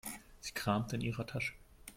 Sie kramte in ihrer Tasche.